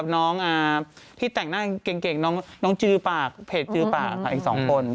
น้องที่แต่งหน้าเก่งน้องจือปากเพจจือปากค่ะอีก๒คน